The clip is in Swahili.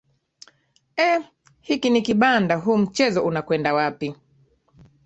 ee hiki ni kibanda huu mchezo unakwenda wapi